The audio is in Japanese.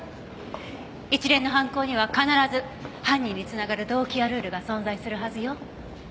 一連の犯行には必ず犯人につながる動機やルールが存在するはずよ。